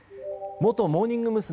元モーニング娘。